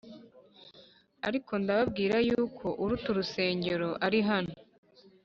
ariko ndababwira yuko uruta urusengero ari hano”